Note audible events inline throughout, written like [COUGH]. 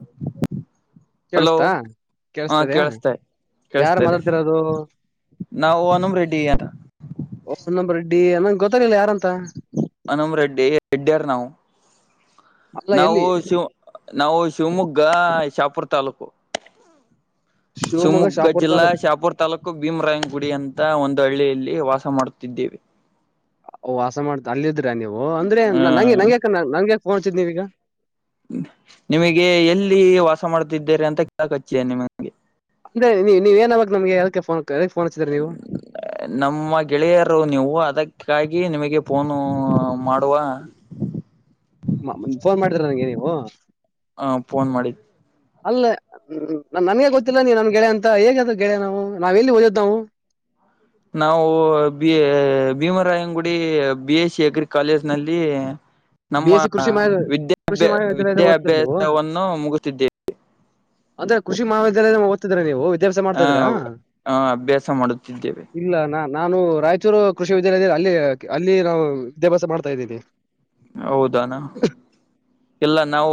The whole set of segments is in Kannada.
ಹ [INAUDIBLE] ಹಲೋ ಕೇಳಿಸತಾ ಹಾ ಕೇಳಿಸತದ್ಯಾ ಕೇಳಸ್ತೆ ಯಾರು ಕೇಳಸ್ತಾ ಇದೆ. ಮಾತಾಡ್ತಿರೋದು ನಾವು ಹನುಮ ರೆಡ್ಡಿ ಏನ. ಹೊಸ ನಂಬರ್ಡ್ಡಿ ಅನ್ನಂಗ ಗೊತ್ತಾಗಲಿಲ್ಲ ಯಾರಂತ. ಹನಮ ರೆಡ್ಡಿ ರೆಡ್ಯರ್ ನಾವು. ಅಲ್ಲ ನಾವು ಎಲ್ಲಿ ಶಿವು ನಾವು ಶಿವಮೊಗ್ಗ ಶಾಪುರ ತಾಲೂಕು. ಶಿವಮೊಗ್ಗ ಶಾಪುರ್ ಜಿಲ್ಲಾ ತಾಲೂಕ್ ಶಾಪುರ್ ತಾಲೂಕು ಭೀಮ ರಾಯ್ ನಗುಡಿ ಅಂತ ಒಂದು ಹಳ್ಳಿಯಲ್ಲಿ ವಾಸ ಮಾಡುತ್ತಿದ್ದೇವೆ. ವಸ ಮಾಡ್ತ ಅಲ್ಲಿದ್ರ ನೀವು. ಅಂದ್ರೆ ನಂಗೆ ಹ್ಮ ನಂಗೆಯಾಕ, ನಂಗಯಾಕಕ್ಫೋನ್ ಅಚ್ಚಿದ ನೀವೀಗ. ನಿಮಗೆ ಎಲ್ಲಿ ವಾಸ ಮಾಡ್ತಿದ್ದೇರಿ ಅಂತ ಕೇಳಕಚ್ಚಿಯ ನಿಮಗೆ. ಅಂದ್ರ ನೀವ ಏನಾಗಬೇಕ ನಿಮಗೆ ಎದ್ಕೆ ಫೋನ್, ಫೋನ್ ಹಚ್ಚಿದ್ರ ನೀವು ನಮ್ಮ ಗೆಳೆಯರು ನೀವು ಅದಕ್ಕೆ ಅದಕ್ಕಾಗಿನಿಮಗೆ ಫೋನು ಮಾಡ ಫೋನ್ ಮಾಡಿದಿರ ನಂಗೆ ನೀವು ಹಾ, ಫೋನ್ ಮಾಡಿ ಅಲ್ಲ ನನ್ಗೆ ಗೊತ್ತಿಲ್ಲ ನೀ ನನ್ ಗೆಳೆಯ ಅಂತ. ಹೇಗ ಅದು ಗೆಳಯ ನಾವು ನಾವ್ ಎಲ್ಲಿ ಓದಿದ್ ನಾವು ನಾವು B Bhimarayanagudi B, SC degree college ನಲ್ಲಿ. - ಬಿ ನಮ್ಮ ಎಸ್ ಸಿ ಕೃಷಿ ಮಾಡ ಕೃಷಿ ವಿದ್ಯಾಭ್ಯ, ಮಹಾವಿದ್ಯಾಲಯದ ಓದ್ತಿರ ನೀವು ವಿದ್ಯಾಭ್ಯಾಸವನ್ನು ಮುಗುತ್ತಿದ್ದೇವೆ. ಅಂದ್ರೆ ಕೃಷಿ ಮಹಾವಿದ್ಯಾಲಯದಲ್ಲಿ ಓದ್ತಿದ್ರಾ ನೀವು. ವಿದ್ಯಾಭ್ಯಾಸ ಆ ಮಾಡ್ತಾ ಇದ್ರಾ, ಆ ಅಭ್ಯಾಸ ಮಾಡುತ್ತಿದ್ದೇವೆ ಇಲ್ಲ ನಾನ್ ನಾನು ರಾಯಚೂರು ಕೃಷಿ ವಿದ್ಯಾಲಯ ಅಲ್ಲಿ, ಅಲ್ಲಿ ನಾವು ವಿದ್ಯಾಭ್ಯಾಸ ಮಾಡ್ತಾ ಇದ್ದೀನಿ. ಹೌದಾನ ಎಲ್ಲ ನಾವು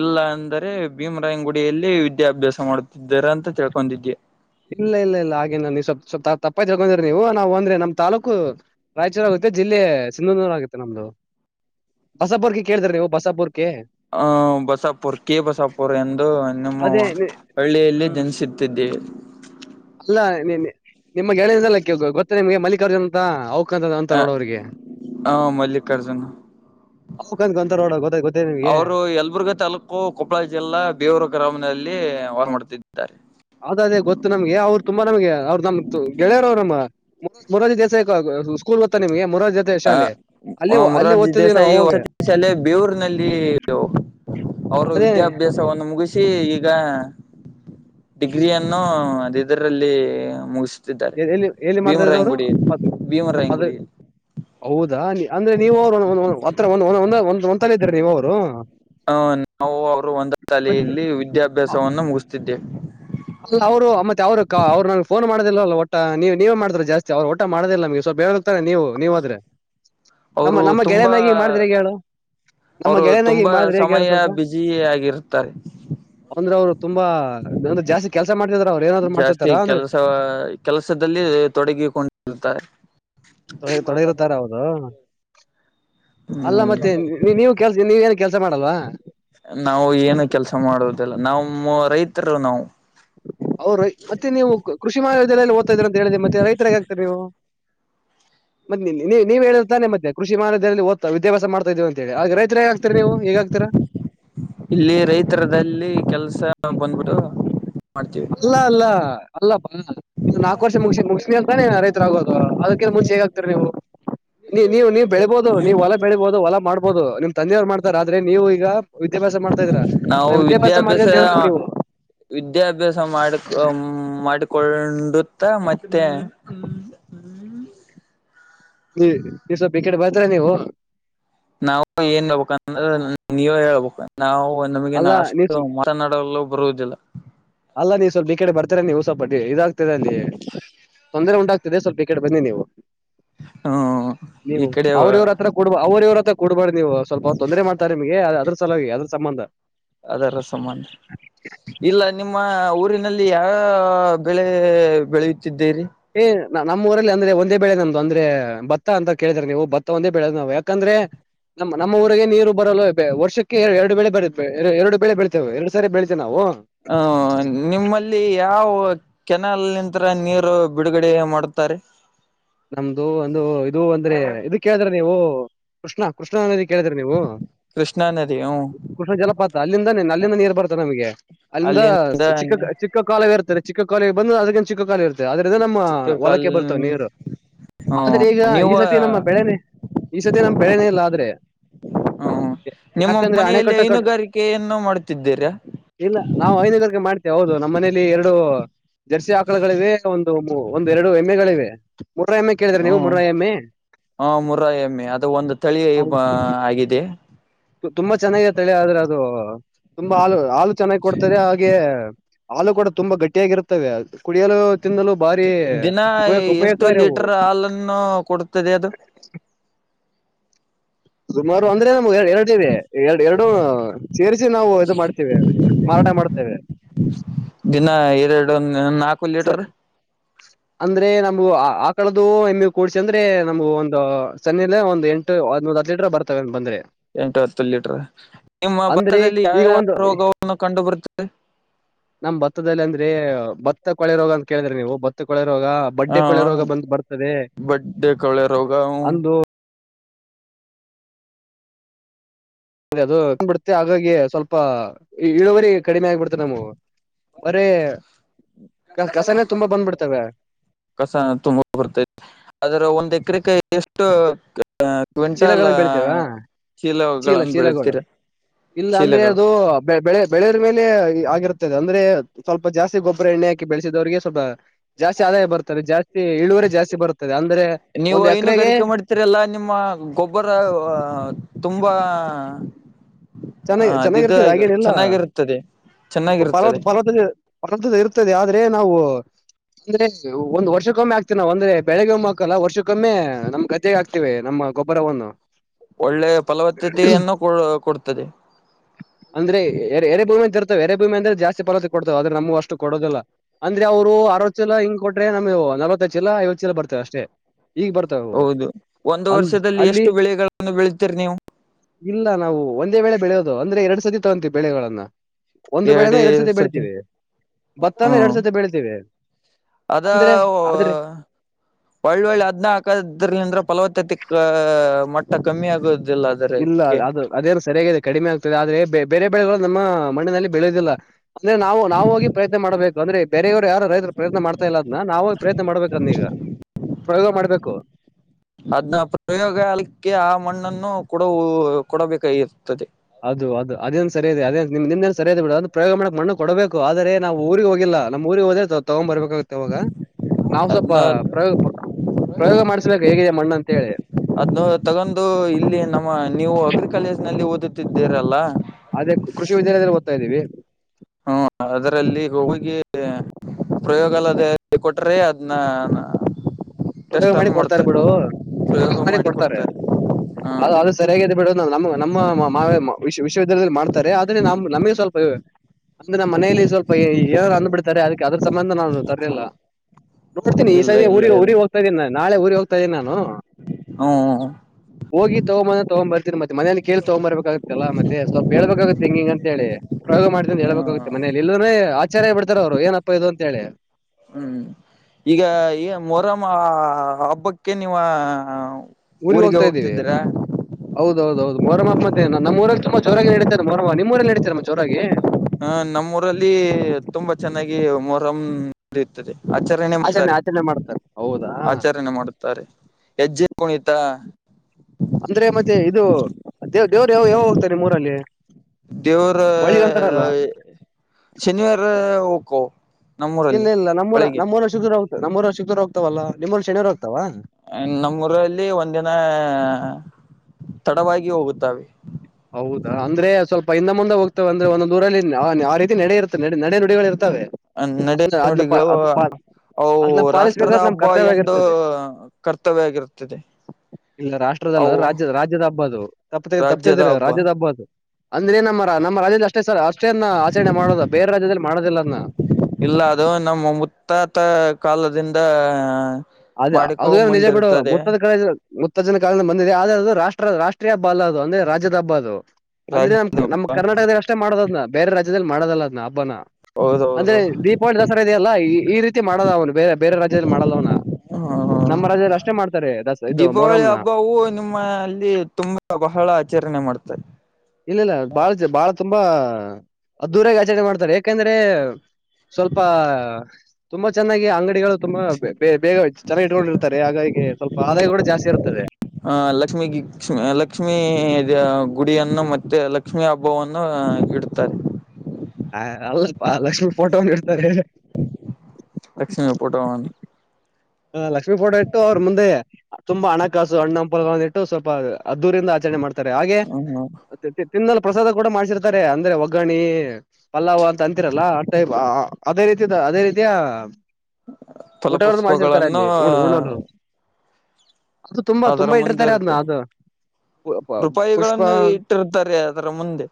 ಎಲ್ಲ [UNINTELLIGIBLE] ಆದರೆ ಭೀಮರಾಯನಗುಡಿಯಲ್ಲಿ ವಿದ್ಯಾಭ್ಯಾಸ ಮಾಡುತ್ತಿದ್ದರ ಅಂತ ತಿಳ್ಕೊಂಡಿದೆ. ಇಲ್ಲ, ಇಲ್ಲ, ಇಲ್ಲ ಹಾಗೇನಿಲ್ಲ ನೀವು ಸ್ವಲ್ ಸ್ವಲ್ ತಪ್ಪಾಯ ತಿಳ್ಕೊಂಡಿರಿ ನೀವು. ನಾವು ಅಂದ್ರೆ ನಮ್ ತಾಲ್ಲೂಕು ರಾಯಚೂರು ಮತ್ತೆ ಜಿಲ್ಲೆ ಸಿಂಧನೂರು ಆಗುತ್ತೆ ನಮ್ದು. ಬಸಬುರ್ಕಿ ಕೇಳ್ದಿರೆ ನೀವು ಬಸಬುರ್ಕಿ ಹಾ, ಬಸ್ಸಾಪುರ್, ಕೆ ಬಸ್ಸಪುರ್ ಎಂದು ನಿಮ್ಮ ಅದೇ ನಿ- ಹಳ್ಳಿಯಲ್ಲಿ ನೆಲಿಸಿತ್ತು. ಮತ್ತು ದೇ [UNINTELLIGIBLE] ನಿಮ್ಗಳಿಂದಲ್ಲ ಗೊತ್ತನಿಮಗೆ ಮಲ್ಲಿಕಾರ್ಜುನ್ ಅಂತ ಅಂತೋಡ ಅ ಅವಿಗೆ ಮಲ್ಲಿಕಾರ್ಜುನ್ ಅವಂತ ಗೊಂತಡ ಗೊತ್ತ ಗೊತ್ತ [UNINTELLIGIBLE] ಅವರು ಯಲ್ಬುರ್ಗ ತಾಲೂಕು, ಕೊಪ್ಪಳ ಜಿಲ್ಲಾ, ಬೇವರು ಗ್ರಾಮದಲ್ಲಿ ಹೊಲಮಾಡ್ತಿದ್ದಾರೆ. ಅದ, ಅದೇ ಗೊತ್ತು ನಮ್ಗೆ ಅವ್ರು ತುಂಬಾ ನಮ್ಗೆ ಅವ್ರರು ನಮ್ ಗೆಳೆಯರು ಅವ್ರು. ನಮ್ಮ್ ಮೂರಾರ್ಜಿ ದೇಸಾಯಿ ಸ್ಕೂಲ್ ಗೊತ್ತ ನಿಮಗೆ ಮೂರಾರ್ಜಿ, ಅ ಅ ಮುರಾರ್ಜಿ ನಾವು ದೇಸಾಯಿ ಅವಾಗ ವಟಿ ಶಾಲಿ ಬೇವರಿನಲ್ಲಿ ಅವರು ಅದೇ ವಿದ್ಯಾಭ್ಯಾಸವನ್ನು ಮುಗಿಸಿ ಈಗ ಡಿಗ್ರಿಯನ್ನು ಅದರಲ್ಲಿ ಮುಗಿಸ ಎಲ್ಲಿ ಎಲ್ಲಿ ಮಾಡ್ತಾ ಇದ್ರ ಅವರು ಭೀಮರಾಯನಗುಡಿ, ಅದ ಭೀಮರಾಯಗುಡಿ ಹೌದಾ, ಅಂದ್ರೆ ನೀವ ಅವ್ರುತ್ರ ಒಂದಂದ ಒಂದಂತಲಿ ಇದ್ರ ನೀವ ಅವರು ಹ, ನಾವು ಅವರು ಒಂದು ಶಾಲೆಯಲ್ಲಿ ವಿದ್ಯಾಭ್ಯಾಸವನ್ನ ಮುಗಿಸ್ತಿದ್ದೆ. ಅಲ್ಲ ಅವರು ಮತ್ತೆ ಅವರು ಅವ್ರ ನಂಗೆ ಫೋನ್ ಮಾಡದಲ್ವಲ್ಲ ಒಟ್ಟ ನೀವು ನೀವೇ ಮಾಡ್ತೀರ. ಜಾಸ್ತಿ ಅವ್ರು ಒಟ್ಟಾ ಮಾಡಿಲ್ಲ ನಮಗೆ ಸ್ವಲ್ಪ ನೀವು ನೀವಾದ್ರೆ ನಮ್ಮ, ಅವರು ನಮ್ಮ ತುಂಬಾ ಗೆಳೆಯನಾಗಿ ಮಾಡಿದ್ರೆ ಹೆಂಗೆ ಹೇಳು- ನಮ್ಮ ಅವರು ಗೆಳೆಯನಾಗಿ ತುಂಬಾ ಮಾಡಿದ್ರೆ ಹೇಗೆ ಹೇಳು ಸಮಯ ಸ್ವಲ್ಪ ಬ್ಯುಸಿ ಆಗಿರ್ತಾರೆ. ಅಂದ್ರೆ ಅವ್ರು ತುಂಬಾ ಅಂದ ಜಾಸ್ತಿ ಕೆಲ್ಸ ಮಾಡ್ತ ಜಾಸ್ತಿ ಕೆಲಸ, ಕೆಲಸದಲ್ಲಿ ತೊಡಗಿಕೊಂಡಿರ್ತಾರೆ. ತೊ ತೊಳಗರ್ತ್ತಾರ ಹೌದು [UNINTELLIGIBLE] ಅಲ್ಲ ಹ್ಮ್ ಮತ್ತೆ ನೀ, ನೀವು ಕೆಲ್ಸ ನೀವೇನ್ ಕೆಲ್ಸ ಮಾಡಲ್ವಾ. ನಾವು ಏನು ಕೆಲ್ಸ ಮಾಡುವುದಿಲ್ಲ ನಾವ್ ರೈತರು ನಾವು. ಅವ್ರು ಮತ್ತೆ ನೀವು ಕೃಷಿ ಮಹಾವಿದ್ಯಾಲಯದಲ್ಲಿ ಓದ್ತಾ ಇದ್ರಿಅಂತ ಹೇಳಿದೆ ಮತ್ತೆ ರೈತರಾಗಾಗ್ತಾರೆ ನೀವು. ಮತ್ತೆ ನೀ ನೀವ್ ಹೇಳರ್ತಾನೆ ಮತ್ತೆ. ಕೃಷಿ ಮಹಾವಿದ್ಯಾಲಯದಲ್ಲಿ ಓದ್ತ ವಿದ್ಯಾಭ್ಯಾಸ ಮಾಡ್ತಾ ಇದೀ ಅಂತ ಹೇಳಿ. ಹಾಗೆ ಆಗ್ತರ ನೀವು ಹೇಾಗಗ್ತಾ [UNINTELLIGIBLE] ಇಲ್ಲಿ ರೈತರದಲ್ಲಿ ಕೆಲ್ಸ ಬಂದ್ಬಿಟ್ಟದ. ಅಲ್ಲ ಅಲ್ಲ ಅಲ್ಲಪ್ಪ ನೀ ನಾಕು ವರ್ಷ ಮುಗ ಮುಗಿಸಿದರು ತಾನೇ ರೈತರ ಆಗೋದು. ಅದಕ್ಕೆ ಮು ಹೇಗಾಗಗ್ತೀರಿ ನೀವು [UNINTELLIGIBLE] ನೀ ನೀವು, ನೀವ್ ಬೆಳಬೋದು ನೀವುಹೊಲ ಬೆಳಿಬೋದು, ಹೊಲ ಮಾಡ್ಬೋದು ನಿಮ್ ತಂದಿವ್ರು ಮಾಡ್ತಾರೆ. ಆದ್ರೆ ನೀವು ಈಗ ವಿದ್ಯಾಭ್ಯಾಸ ಮಾಡ್ತೀದಿರಾ ವಿದ್ಯಾಭ್ಯಾಸ ಮಾಡ್ದೆ ಅಂತ ಹೇಳ್ಬೇಕು ನೀವು. ಮಾಡ್ ಮಾಡಿಕೊಳ್ಳ [UNINTELLIGIBLE] ಉಂಡುತ್ತ ಮತ್ತೆ. ನೀ ದಿವ್ಸ ಬಿಕೆಟ್ ಬತ್ರ್ರ ನೀವು. ನಾವು ಏನ್ ಹಡ್ಬೇಕಂದ್ರೆ ನೀವ ಹೇಳ್ಬೇಕ ನಾವು. ಓ ನಮಗೆ ಅಲ್ಲ ನೀವ್ ಅಷ್ಟು ಮಾತನಾಡಲು ಬರುವುದಿಲ್ಲ. ಅಲ್ಲ ನೀವು ಸ್ವಲ್ಪ ಈ ಕಡೆ ಬರ್ತರ ನೀವುಸಪಟ್ಟಿ ಇದಾಗ್ತದ ನೀ ತೊಂದರೆ ಉಂಟಾಗ್ತಿದೆ ಸ್ವಲ್ಪ ಈಕಡೆ ಬನ್ನಿ ನೀವು. ಹ. ನೀವು ಅವ್ರ ಇವ್ರ ಹತ್ರ ಕೊಡ ಅವ್ರ ಇವ್ರ ಹತ್ರ ಕೊಡ್ಬೇಡ ನೀವು ಸ್ವಲ್ಪ ತೊಂದ್ರರೆ ಮಾಡ್ತಾರೆ ನಿಮ್ಗೆ ಅದ್ರ ಸಲುವಾಗಿ ಅದ್ರ ಸಂಬಂಧ. ಅದರ ಸಾಮಾನ್ಯ ಇಲ್ಲ ನಿ. ನಿಮ್ಮ ಊರಿನಲ್ಲಿ ಯಾವ ಬೆಳೆ ಬೆಳೆಯುತ್ತಿದ್ದೇರಿ. ನ ನಮ್ಮ ಊರಲ್ಲಿ ಅಂದ್ರೆ ಒಂದೇ ಬೆಳೆ ನಮ್ದು ಅಂದ್ರೆ ಭತ್ತ ಅಂತ ಕೇಳಿದಾರೆ ನೀವು ಭತ್ತ ಒಂದೇ ಬೆಳೆ ನಾವು ಯಾಕಂದ್ರೆ ನಮ್ಮ ನಮ್ಮ ಊರಿಗೆ ನೀರು ಬರಲು. ವರ್ಷಕ್ಕೆ ಎರಡು ವೇಳೆ ಬರುತ್ತೆ ಎರಡು ಬೆೇಳೆ ಬೆಳೀಿತೇವೆ ಎರಡು ಸಾರಿ ಬೆಳಿತತೆವೆ ನಾವು. ಹ ನಿಮ್ಮಲ್ಲಿ ಯಾವ. ಕೆನಾಲ್ ನಿಂತರ ನೀರು ಬಿಡುಗಡೆ ಮಾಡುತ್ತಾರೆ. ನಮ್ದು ಒಂದು ಇದು ಅಂದ್ರೆ ಇದಕ್ಕೆದ್ರೆ ನೀವು ಕೃಷ್ಣ ಕೃಷ್ಣ ಅನ್ನೋದ. ಕ್ಕೆ ಕೇಳಿದ್ರಿ ನೀವು. ಅದ ಹ. ಕೃಷ್ಣ ಜಲಪಾತ ಅಲ್ಲಿಂದ ಅಲ್ಲಿಂದ ನೀರ್ ಬರ್ತೆ ನಮಗೆ ಅಲ್ಲಿಂದ ಚಿಕ್ಕ ಚಿಕ್ಕ ಕಾಲ ಇರ್ತದೆ. ಚಿಕ್ಕ ಕಾಲಿಗೆ ಬಂದ್ರ ಅದಕ್ಕಂತ ಚಿಕ್ಕ ಕಾಲಿ ಇರ್ತ್ತೆ ಅದ್ರಿಂದ ನಮ್ಮ ಚಿಕ್ಕ ಕಾಲ್ ಹೊಲಕೆ ಬರ್ತವೆ ನೀರು. ಹ್ಮ ಆದ್ರೆ ಈಗ ನೀವು ಈ ಸತಿ ನಮ್ಮ ಬೆಳೆನೆ ಈ ಸತಿ ನಮ್ಮ ಬೆಳೆನೇ ಇಲ್ಲ ಆದ್ರೆ. ಹ್ಮ ನಿಮ್ಮ ಯಾಕಂದ್ರೆ ಮನೆಯಲ್ಲಿ ಅಣೆಕಟ್ಟ ಕಟ್ ಹೈನುಗಾರಿಕೆಯನ್ನು ಮಾಡ್ತಿದ್ದೀರಾ. ಇಲ್ಲ ನಾವು ಐನೈದರೆಗೆ ಮಾಡ್ತೇವೆ ಹೌದು ನಮ್ಮ ಮನೇಲಿ ಎರಡು. ಜರ್ಸಿ ಆಕಳಗಳಿವೆ ಒಂದು ಒಂದ ಎರಡು ಎಮ್ಮೆಗಳಿವೆ. ಮೂರೈ ಎಮ್ಮೆ ಕೇಳಿದ್ರ ನೀವು ಮೂರೈ ಎಮ್ಮೆ. ಹಾ ಮುರ ಎಮ್ಮೆ ಅದು ಒಂದು ತಳಿ ಅವು ಆಗಿದೆ. ತುಂಬಾ ಚೆನ್ನಾಗತಳೆ ಆದ್ರೆ ಅದು ತುಂಬಾ ಹಾಲು ಹಾಲು ಚೆನ್ನಾಗ ಕೊಡ್ತದೆ ಹಾಗೆ. ಹಾಲು ಕೂಡ ತುಂಬಾ ಗಟ್ಟಿಯಾಗಿರುತ್ತವೆ ಕುಡಿಯಲು. ತಿನ್ನಲು ಭಾರಿ ದಿನ ಉಪಯೋಗ ಎಷ್ಟು ಉಪಯೋಗಕಾರಿ ಅವು ಲೀಟರ್ ಹಾಲನ್ನು ಕೊಡ್ತದೆ ಅದು. [UNINTELLIGIBLE] ಸುಮಾರು ಅಂದ್ರೆ ನಮ ಎರಡು ಇದೆ ಎರಡು ಎರಡು ಸೇರಿಸಿ ನಾವು ಇದು ಮಾಡ್ತವಿ. ಟ ಮಾಡ್ತೇವೆ. ಜನ್ನ. ಸ ಅಂದ್ರೆ ನಮು. ಆ ಕಳ್ದು ಎಮ್ಮಿ ಕೂಡ್ಸ ಅಂದ್ರೆ ನಮ್ಗ ಒಂದು ಸನ್ನಲೆ ಒಂದ ಎಂಟು ಹದೊ್ ಹತ್ತು ಲೀಟರ್ ಬರ್ತವೆ ಬಂದ್ರೆ. ಎಂಟು ಹತ್ತು ಲೀಟರ್ ನಿಮ್ಮ ಅಂದ್ರೆ ಭತ್ತದಲ್ಲಿ ಈಗ ಯಾವ ಒಂದು ರೋಗವನ್ನು ಕಂಡು ಬರುತ್ತದೆ. ನಮ್ ಭತ್ತದಲ್ಲಿ ಅಂದ್ರೆ ಭತ್ತ ಕೊಳೆ ರೋಗ ಅಂತ ಕೇಳಿದ್ರಿ ನೀವು ಭತ್ತ ಕೊಳೆ. ರೋಗ ಆ ಬಡ್ಡೆ ಕೊೊಳ್ಳೆ ರೋಗ ಬಂದು ಬರ್ತದೆ ಬಡ್ಡೆ ಕೊಳೆ ರೋಗ ಅಂದು. ಅ ಅದು್ ಬಿಿಡುತ್ತೆ ಹಾಗಾಗಿ ಸ್ವಲ್ಪ. ಇಳುವರಿ ಕಡಿಮೆ ಆಗ್ಬಿಡ್ತ ನಾವು ಬರೀ. ಕ ಕಸನೇ ತುಂಬಾ ಬಂದ್ಬಿಡ್ತವೆ. ಕಸ ತುಂಬ ಬರ್ತೈ ಅದ್ರ ಒಂದ್ ಎಕರೆಕ ಎಷ್ಟು. ಕ್ವಿಂಟಲ್ ಚೀಲಗಳನ್ನ ಬೆಳಿತೇವಾ ಚೀಲ ಶೀಲಗಳಗಳನ್ನು ಚೀಲಗಳು ಬೆಳತಿೀರ. ಇಲ್ಲ ಅಂದ್ರೆ ಅದು. ಬೆ ಬೆಳೆ ಬೆಳೆಯವರ ಮೇಲೆ ಆಗಿರ್ತದೆ ಅಂದ್ರೆ ಸ್ವಲ್ಪ ಜಾಸ್ತಿ ಗೊಬ್ಬರ ಎಣ್ಣೆ ಹಾಕಿ ಬೆಳೆಸಿದವ್ರರಿಗೆ ಸ್ವಲ್ಪ. ಜಾಸ್ತಿ ಆದಾಯ ಬರ್ತದೆ ಜಾಸ್ತಿ ಇಳುವರೆ ಜಾಸ್ತಿ ಬರ್ತದೆ ಅಂದ್ರೆ ನೀವು ಒಂದು್ ಎಕರೆಗೆ. ಗಬ್ಬರ ತುಂಬಾ. ಚೆನ್ನಾಗಿ ಅದಿದ ಚೆನ್ನಾಗಿರ್ತದೆ ಹಾಗೇನೆಲ್ಲ. ಚೆನ್ನಾಗಿರುತ್ತದೆ ಫಲ ಚೆನ್ನಾಗಿರುತ್ತದೆ ಫಲದ ಫಲದ ಇರ್ತದೆ ಆದ್ರೆ ನಾವು. ಅಂದ್ರೆ ಒಂದ ವರ್ಷಕ್ಕೊಮ್ಮೆ ಆಗ್ತವಿ ನಾವವು ಅಂದ್ರೆ ಬೆಳಗ್ ಒಮ್ಮ ಹಾಕಲ್ಲ ವರ್ಷಕ್ಕೊಮ್ಮೆ ನಮ್ ಗದ್ದೆೆಗೆ ಆಗ್ತಿೇವೆ. ನಮ್ಮ ಗೊಬ್ಬರ ಒವನ್ನು ಒಳ್ಳೆ ಫಲವತ್ತತೆಯನ್ನು ಕೊ ಕೊಡ್ತದೆ ಅಂದ್ರೆ ಎ ಎರೆ ಭೂಮಿಂತರ್ತವವೆ ಎರೆ ಭೂಮಿ ಅಂದ್ರೆ ಜಾಸ್ತಿ ಪಲತಿ ಕೊಡ್ತಾವ ಆದ್ರೆ ನಮಗ ಅಷ್ಟು ಕೊಡೋದಲ್ಲ ಅಂದ್ರೆ ಅವ್ರು ಅರವತ್ತು ಸಲ ಹಿಂಗ್ ಕೊಟ್ರೆ ನಮ್ ನಲವತ್ತೈತ್ತು ಸಲ ಐವತ್ತು ಸಲ ಬರ್ತವೆ ಅಷ್ಟೇ ಈಗ ಬರ್ತವೆ ಹೌದು ಒಂದು ಅಂದ್ ವರ್ಷದಲ್ಲಿ ಅಲ್ಲಿ ಎಷ್ಟು ಬೆಳೆಗಳನ್ನು ಬೆಳತೀರಿ ನೀವು ಇಲ್ಲ ನಾವು ಒಂದೇ ವೇಳೆ ಬೆಳೆಯೋದು ಅಂದ್ರೆ ಎರಡ್ ಸತಿ ತೊಗೊಂತೀವಿ ಬೆಳೆಗಳನ್ನ ಒಂದು ಬೆಳೆನ ಎರಡ್ ಸತಿ ಬೆಳತಿವಿ ಭತ್ತಾನ ಹ್ಮ್ ಎರಡ್ ಸತಿ ಬೆಳತಿವಿ ಅದ ಒಳ್ಳ ಒಳ್ಳ ಅದ್ನ್ ಹಾಕದ ಇದರ್ಲಂದ್ರ ಫಲವತ್ತ ಅತ್ಯಿಕ ಮಟ್ಟ ಕಮ್ಮಿ ಆಗುದು ಇಲ್ಲ ಅದು ಅದೇನು ಸರಿಯಾಗಿದೆ ಕಡಿಮೆ ಆಗ್ತದೆ ಆದ್ರೆ ಬೇರೆ ಬಳ ನಮ್ಮ ಮಣ್ಣಿನಲ್ಲಿ ಬೆಳೆಯೋುದಿಲ್ಲ ಅಂದ್ರೆ ನಾವು ನಾವು ಹೋಗಿ ಪ್ರಯತ್ನ ಮಾಡ್ಬೇಕು ಅಂದ್ರೆ ಬೇರವರು ಯಾರು ರೈತ ಪ್ರಯತ್ ಮಾಡ್ತಾ ಇಲ್ಲದ ನಾವವು ಪ್ರಯತ್ನ ಮಾಡ್ಬೇಕ್ರನ್ನ ಈಗ ಪ್ರಯೋಗ ಮಾಡ್ಬೇಕು ಅದ್ನ್ನ ಪ್ರಯೋಗಾಲಕ್ಕೆ ಆ ಮಣ್ಣನ್ನು ಕೊಡ ಕೊಡಬೇಕಾಗಿ ಅದು ಅದು ಅದೇನ್ ಸರಿ ಇದೆ ಅದೇ ನಿಮ್ಮಎನ್ ಸರಿಯ ಬಿಡ ಅ ಪ್ರಯೋಗ ಮಾಡಕ್ ಮಣು ಕೊಡಬೇಕ ಆದ್ರ ನಾವು ಊರಿಗೆ ಹೋಗಿಲ್ಲ ನಮ್ಮ ಊರಿಗೆ ಹದ ತಗೊಂಬಬೇಕಾಗತ್ತತ ನಾವು ಸ್ವಲ್ಪ ಪ್ರಯೋಗ ಪಡ್ ಅದ್ ತಗೊಂಡು ಇಲ್ಲಿ ನಮ್ಮ ನೀವು ಅಗ್ರಿಕಲ್ರ್ ನಲ್ಲಿ ಓದುತ್ತಿದ್ದೀರಲ್ಲ ಅದೇ ಕೃಷಿ ವಿದ್ಯಾಲಯದಲ್ಲಿ ಓದತಾ ಇದ್ದೀವಿ ಹ್ಮ ಅದರಲ್ಲಿ ಹೋಗಿಗೆ ಪ್ರಯೋಗಾಲದ ಕೊಟ್ರೆ ಅದನ್ನ ಪ್ರಯೋಗ ಟೆಸ್ಟ್ ಮಾಡಿ ಅನ್ನು ಕೊಡ್ತಾರೆ ಮಾಡ್ತಾರೆ ಬಿಡು ಪ್ರೋಗ ಮಾಡಿ ಕೊಡ್ತಾರೆ ಹಾ ಅದು ಅದು ಸರಿಯಾಗಿದೆ ಬಿಡ ನಮ್ಮ ನಮ್ಮ್ ವಿಶ್ವವಿದ್ಯಾಲಯದಲ್ಲಿ ಮಾಡ್ತಾರೆ ಆದ್ರೆ ನಮ್ ನಮಗೆ ಸ್ವಲ್ಪ ಅಂದೆ ನಮ್ಮ ಮನೆಯಲ್ಲಿ ಸ್ವಲ್ಪ ಏನಾದರು ಅಂದ್ಬಿಡ್ತಾರೆ ಅದಕ್ಕೆ ಅದ್ರ ಸಮಯ ನಾನು ತರ್ಲಿಲ್ಲ ನೋಡ್ತೀನ ಈ ಇಲ್ಲ ಸಂಜ ಇಲ್ಲ ಊರಿ ಊ ಹೋಗ್ತ ಇದ್ದೀ ನಳೆ ಊ ಹೋಗ್ತ ಇದ್ದ ನಾನು ಹ್ಮ ಹೋಗಿ ತಗೊಂಬಂದ ತಗೊಂಬ ಬರಿ ಮೇನ ಕೇಳಿ ತಗೊಂಬರ್ಬೇಕಾಗತ್ತಲ್ಲ ಮತ್ತೆ ಸ್ವಲ್ಪೇಳ್ಬೇಕಾಗುತ್ತ ಹಿಂಗಿಂಗ ಅಂತ ಹೇಳಿ ಪ್ರಯೋಗ ಮಾಡ್ತ ಹ ಹೇಳಳ್ಬೇಕಾಗುತ್ತೆ ಹ್ಮ್ ಮನೆಯಲ್ಲಿ ಎಲ್ಲನನೆ ಆಚಾರ್ಯೆ ಬಿಡ್ತಾರೆ ಅವ್ರು ಏನಪ್ಪ ಇದು ಅಂತ ಹೇಳಿ ಹ್ಮ್ ಈಗ ಈ ಮೊರಮ್ಮ ಹಬ್ಬಕ್ಕೆ ನೀವ ಊರಿಗೆ ಹೋಗ್ತಾ ಇದ್ದೀವಿ ಹೌದೌದ್ ಹೌದು ಮೊರಮ ಮತ್ತ ನಮ್ಮೂಊಲ್ಲಿ ನಿಮ್ಮರ ನಡೀತರಮ್ಮ ಜೋರಾಗಿ ಹ ನಮ್ಮೂಊರಲ್ಲಿ ತುಂಬಾ ಚೆನ್ನಾಗಿ ಮೊರಂರಿತದೆ ಆಚೆ ಆಚರಣೆ ಮಾಡತಾರೆ ಆಚರಣೆ ಮಾಡ್ತಾರೆ ಹೌದಾ ಆಚರಣೆ ಮಾಡುತ್ತಾರೆ ಹೆಜ್ಜೆ ಕುಣಿತ ಅಂದ್ರೆ ಮತ್ತೆ ಇದು ದೇವ್ ದೇವ್ರು ಯ ಯಾವ ಹೋಗ್ತಾರೆ ಮೂಊರಲ್ಲಿ ದೇವಾರ ಶನಿವಾರ ಹಕ್ಕೋ ಇಲ್ಲ ಇಲ್ಲ ನಮ್ಮ ನಮ್ಮೂರ ಶನಿವಾರ ಹೂಗ್ತ ನಮ್ಮಊರ ಶುಕ್ರು ಹೋಗತವಲ್ಲ ನಿಮ್ಮ್ ಶನಿವವರು ಆಗ್ತವ ನಮ್ಮ್ಊರಲ್ಲಿ ಒಂದಿನ ತಡವಾಗಿ ಹೋಗುತ್ತಾವೆ ಹೌದಾ ಅಂದ್ರೆ ಸ್ವಲ್ಪ ಇಿಂದ ಮುಂದೆ ಹೋಗ್ತವೆ ಅಂದ್ರೆ ಒಂದರ ಆ ರೀತಿ ನಡೆ ಇರ್ತದೆ ನಡೆ ನುಡಿ ಇತ್ತೆ ನಡೆ ನುಡಿಗಳು ಅ ಅವು ರಾಷ್ಟ್ರದ ಹಬ್ಬ ಎಂದು ಕರ್ತವ್ಯ ಆಗಿರುತ್ತದೆ ಇಲ್ಲ ರಾಷ್ಟ್ರದಲ್ಲ ಅವು ರಾಜ್ಯ ರಾಜ್ಯದ ಹಬ್ಬ ಅದು ತಪ್ಪ ತಪ್ಪ ರಾಜ್ಯದ ಹಬ್ಬ ಅದು ಅಂದ್ರೆ ನಮ್ಮ ನಮ್ಮ ರಾಜ್ಯದಲ್ಲಿ ಅಷ್ಟೇ ಸರ್ ಅಷ್ಟ ಅಷ್ಟೇನ್ನ ಆಚರಣೆ ಮಾಡೋದ ಬೇರೆ ರಾಜ್ಯದಲ್ಲಿ ಮಾಡೋದಿಲ್ಲನ್ನ ಇಲ್ಲ ಅದು ನಮ್ಮ ಮುತ್ತಾದ ಕಾಲದಿಂದ ಅದ ಅದು ನಿಲ್ಲ ಬಿಡು ಮಾಡಿಕೊಂಬಂಡಿರ್ತದೆ ಮೊತ್ತದ ಕಡೆ ಉತ್ತಜ ಕಾಲದಿಂದ ಬಂದಿದೆ ಯ ಆದ್ರ ಅದು ರಾಷ್ಟ್ರ ರಾಷ್ಟ್ರೀಯ ಹಬ್ಬ ಅಲ್ಲ ಅದು ಅಂದ್ರೆ ರಾಜ್ಯದ ಹಬ್ಬ ಅದು ಅಂದ್ರೆ ನಮ್ ರಾಜ್ಯದ ನಮಮ್ಮ ಹಬ್ಬ ಕರ್ನಾಟಕದದಲ್ಲಿ ಅಷ್ಟೇ ಮಾಡೋದದ್ನ ಬೇರೆ ರಾಜ್ಯದಲ್ಲಿ ಮಾಡದಲ್ಲ ಅದ್ನ ಹಬ್ಬನ ಅಂದ್ರೆ ಹೌದೌದು ದೀಪಾವಳಿ ದಸರಾ ಇದೆಯಲ್ಲ ಈ ಈ ರೀತಿ ಮಾಡಲ್ಲ ಅವ್ನು ಬೇರೆ ಬೇರೆ ರಾಜ್ಯದಲ್ಲಿ ಮಾಡಲ್ಲವ್ನ [UNINTELLIGIBLE] ಇದು ದೀಪಾವಳಿ ಮೊಹರಂನ ಹಬ್ಬವು ನಿಮ್ಮ ಅಲ್ಲಿ ತುಂಬಾ ಬಹಳ ಆಚರಣೆ ಮಾಡ್ತ. ಇಲ್ಲ ಇಲ್ಲ ಬಾಳ ಬಾಳ ತುಂಬಾ. ಅದೂರಾಗ ಆಚರಣೆ ಮಾಡ್ತಾರೆ ಯಾಕಂದ್ರೆ ಸ್ವಲ್ಪ ತುಂಬಾ ಚೆನ್ನಾಗಿ ಅಂಗಡಿಗಳು ತುಂಬಾ ಬೇಗ ಚೆನ್ನಾಗಿ ಇಟ್ಕೊಂಡಿರ್ತಾರೆ ಹಾಗಾಗಿ ಸ್ವಲ್ಪ ಆದಾಯ ಕೂಡ ಜಾಸ್ತಿ ಇರ್ತದೆ. ಹ ಲಕ್ಷ್ಮೀ ಲಕ್ಷ್ಮ ಲಕ್ಷ್ಮೀ ಗುಡಿಯನ್ನು ಮತ್ತೆ ಲಕ್ಷ್ಮೀ ಹಬ್ಬವನ್ನು ಇಡ್ತಾರೆ. ಆ ಅಲ್ಲಪ ಲಕ್ಷ್ಮಿ ಫೋಟೋಂದ ಇಡ್ತಾರೆ. ಲಕ್ಷ್ಮೀ ಪೋಟೋವನ್ನು. ಹ ಲಕ್ಷ್ಮೀ ಫೋಟೋ ಇಟ್ಟು ಅವ್ರ ಮುಂದೆ ತುಂಬಾ ಹಣಕಾಸು ಹಣ್ಣ ಹಂಪ ಇಟ್ಟು ಸ್ವಲ್ಪ ಅದು ಅದ್ದೂರಿಂದ ಆಚರಣೆ ಮಾಡ್ತಾರೆ ಹಾಗೆ ಹ್ಮ [UNINTELLIGIBLE] ತಿನ್ನಲ್ಲಿ ಪ್ರಸಾದ ಕೂಡ ಮಾಡಸಿರ್ತಾರೆ ಅಂದ್ರೆ ಒಗ್ಗರಣಿ ಪಲ್ಲವು್ ಅಂತ ಅಂತಿರಲ್ಲ ಅದೇ ರತಿ ಅದೇ ರೀತಿಯ ಊಟಗಳನ್ನು ಮಾಡ್ಸಿರ್ತಾರೆ ಫಲಪುಷಪಗಳನ್ನು. ಅಲ್ಲಿ ಉಣ ಉಣಲು ಅದು ತುಂಬಾ ತುಂಬಾ ಇಟ್ಟಿರ್ತಾರೆ ಅದ್ನ್ನ ಇರುತ್ತೆ ಅದು. ಪುಷ್ಪ ರೂಪಾಯಿಗಳನ್ನು ಇಟ್ಟಿರ್ತಾರೆ ಅದರ ಮುಂದೆ.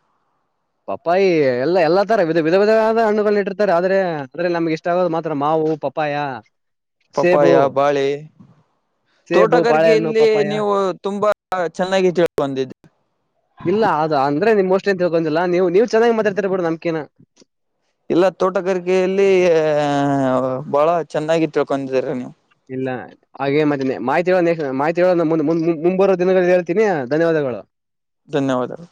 ಪಪ್ಪಾಯಿ ಎಲ್ಲಾ ಎಲ್ಲಾ ತರ ಇದ ವಿಧ ವಿಧವಾದ ಹಣ್ಣುಗಳನ್ನ ಇಟ್ಟರ್ತಾರೆ ಆದ್ರೆ ಅದ್ರೆ ನಮ್ಗೆ ಇಷ್ಟ ಆಗೋದು ಮಾತ್ರ ಮಾವು ಪಪ್ಪಾಯ. ಸೇಬು ಪಪ್ಪಾಯ ಬಾಳೀ. ಸೇಬು ಬಾಳೆಹಣ್ಣು ತೋಟಗಾರಿಕೆಯಲ್ಲಿ ಪಪ್ಪಾಯ ನೀವು ತುಂಬಾ ಚೆನ್ನಾಗಿ ತಿಳ್ ಬಂದಿದ್ದ. ಇಲ್ಲ ಅದು ಅಂದ್ರೆ ನಿಮ್ ಅಷ್ಟೇ ಅಂತ ತಿಳ್ಕೊಂಡಿಲ್ಲ ನೀವವು ನೀವ್ ಚೆನ್ನಾಗಿ ಮಾತಾಡ್ತರ್ ಬಿಡ ನಮ್ಕೇನ. ಇಲ್ಲ ತೋಟಗಾರಿಕೆಯಲ್ಲಿ ಅ ಬಹಳ ಚೆನ್ನಾಗಿ ತಿಳ್ಕೊಂಡಿದೀರ ನೀವು. ಇಲ್ಲ ಹಾಗೆ ಮತ್ತೆ ಮಾಹತಿ ಹೇಳ ಮಾಹಿತಿ ಹೇಳ ಮುಂಬರುವ ದಿನಗಳಲ್ಲಿ ಹೇಳ್ತೀನಿ ಧನ್ಯವಾದ. [UNINTELLIGIBLE] ಧನ್ಯವಾದಗಳು.